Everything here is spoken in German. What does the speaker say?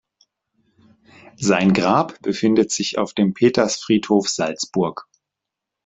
Sein Grab befindet sich auf dem Petersfriedhof Salzburg.